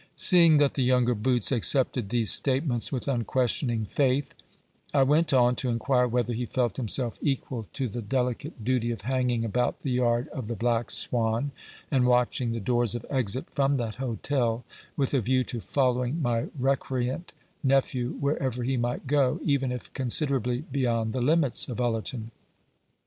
Seeing that the younger Boots accepted these statements with unquestioning faith, I went on to inquire whether he felt himself equal to the delicate duty of hanging about the yard of the Black Swan, and watching the doors of exit from that hotel, with a view to following my recreant nephew wherever he might go, even if considerably beyond the limits of Ullerton.